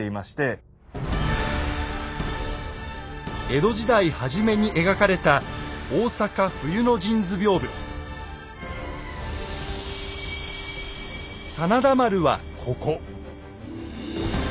江戸時代初めに描かれた真田丸はここ。